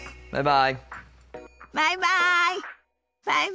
バイバイ。